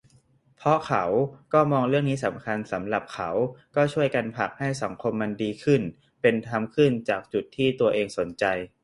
เพราะเขาก็มองเรื่องนี้สำคัญสำหรับเขา ก็ช่วยกันผลักให้สังคมมันดีขึ้นเป็นธรรมขึ้นจากจุดที่ตัวเองสนใจ